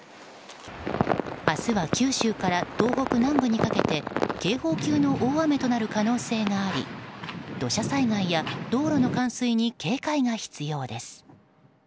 明日は九州から東北南部にかけて警報級の大雨となる可能性があり、土砂災害や道路の冠水に警戒が必要です。